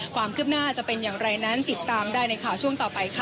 ความคืบหน้าจะเป็นอย่างไรนั้นติดตามได้ในข่าวช่วงต่อไปค่ะ